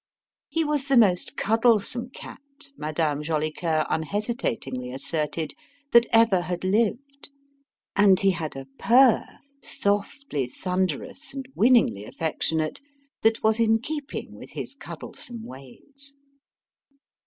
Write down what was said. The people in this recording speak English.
He was the most cuddlesome cat, Madame Jolicoeur unhesitatingly asserted, that ever had lived; and he had a purr softly thunderous and winningly affectionate that was in keeping with his cuddlesome ways.